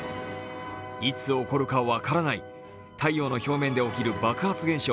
いつ起こるか分からない、太陽の表面で起こる爆発現象